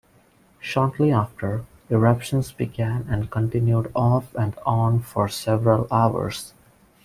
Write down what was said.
Shortly after, eruptions began and continued off-and-on for several hours.